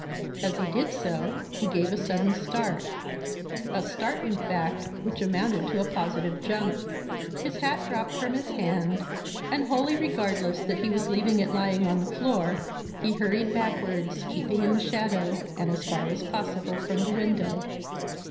As he did so, he gave a sudden start a start, in fact, which amounted to a positive jump. His hat dropped from his hand, and, wholly regardless that he was leaving it lying on the floor, he hurried backwards, keeping in the shadow, and as far as possible from the window.